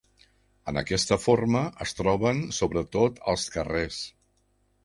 En aquesta forma es troben sobretot als carrers.